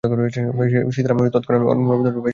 সীতারাম তৎক্ষণাৎ অম্লানবদনে বলে, বেশ চলিতেছে।